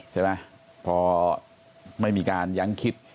ใช่ไหมพอไม่มีการยั้งคิด